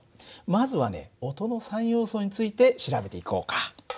まずはね音の三要素について調べていこうか。